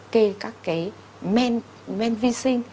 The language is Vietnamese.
kê các cái men vi sinh